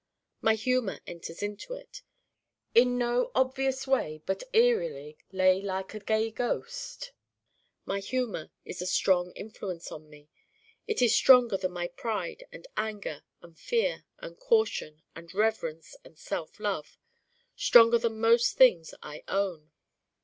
My humor enters into it, in no obvious way but eerily like a gay ghost. My humor is a strong influence in me. It is stronger than my pride and anger and fear and caution and reverence and self love stronger than most things I own.